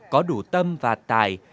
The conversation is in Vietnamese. có đủ tâm và tài